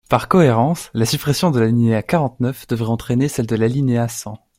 Par cohérence, la suppression de l’alinéa quarante-neuf devrait entraîner celle de l’alinéa cent.